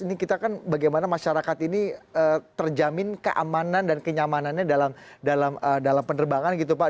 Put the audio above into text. ini kita kan bagaimana masyarakat ini terjamin keamanan dan kenyamanannya dalam penerbangan gitu pak